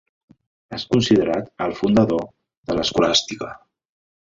És considerat el fundador de l'escolàstica.